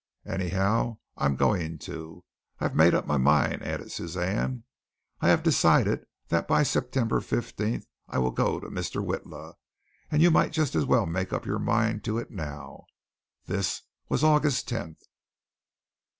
"Anyhow, I'm going to. I have made up my mind," added Suzanne. "I have decided that by September fifteenth I will go to Mr. Witla, and you might just as well make up your mind to it now." This was August tenth.